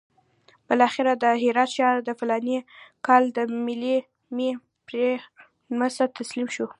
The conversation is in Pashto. بالاخره د هرات ښار د فلاني کال د مې پر لسمه تسلیم شو.